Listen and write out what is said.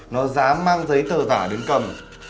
nó dám mang giấy tờ giả đến cầm